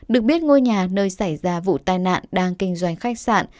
được biết ngôi nhà nơi xảy ra vụ tai nạn đang kinh doanh khách sạn